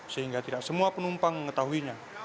sehingga tidak semua penumpang mengetahuinya